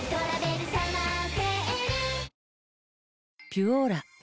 「ピュオーラ」